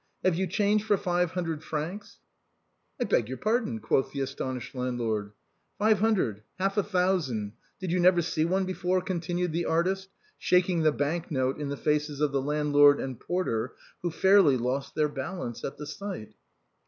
" Have you change for five hundred francs ?"" I beg your pardon," quoth the astonished landlord. " Five hundred, half a thousand : did you never see one before?" continued the artist, shaking the bank note in the faces of the landlord and porter, who fairly lost their balance at the sight.